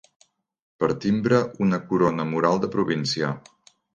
Per timbre una corona mural de província.